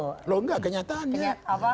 loh enggak kenyataannya